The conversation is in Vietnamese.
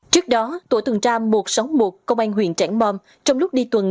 trước đó tổ thường tram một trăm sáu mươi một công an huyện trảng bom trong lúc đi tuần